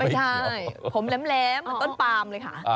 ไม่ใช่ผมแหลมต้นปาล์มเลยค่ะ